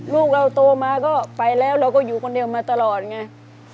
ลูกเราโตมาก็ไปแล้วเราก็อยู่คนเดียวมาตลอดไง